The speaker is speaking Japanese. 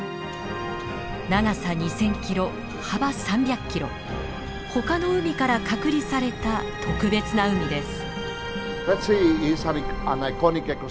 長さ２，０００キロ幅３００キロほかの海から隔離された特別な海です。